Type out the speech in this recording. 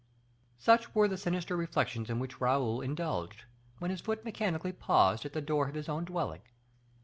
Such were the sinister reflections in which Raoul indulged, when his foot mechanically paused at the door of his own dwelling.